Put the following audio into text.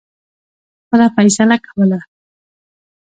خپله فیصله کوله.